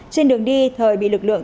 trên đường đi thời bị lực lượng